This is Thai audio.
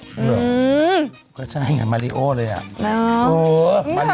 หือมือก็ใช่ไงมาริโอเลยน่ะโอ้โฮมาริโอนะ